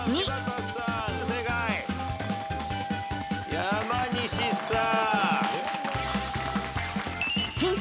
山西さん。